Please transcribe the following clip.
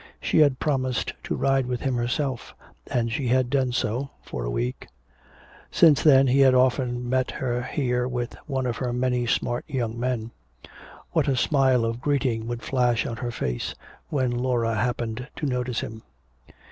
She had promised to ride with him herself, and she had done so for a week. Since then he had often met her here with one of her many smart young men. What a smile of greeting would flash on her face when Laura happened to notice him.